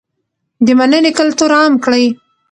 د مننې کلتور عام کړئ.